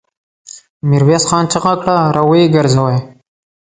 ميرويس خان چيغه کړه! را ويې ګرځوئ!